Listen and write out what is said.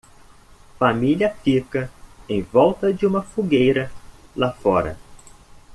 Família fica em volta de uma fogueira lá fora.